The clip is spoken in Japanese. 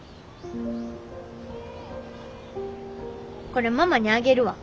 これママにあげるわ。